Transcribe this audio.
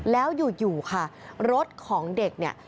แล้วอยู่ค่ะรถของเด็กเนี่ย